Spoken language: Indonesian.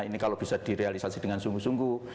ini kalau bisa direalisasi dengan sungguh sungguh